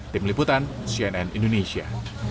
tim liputan cnn indonesia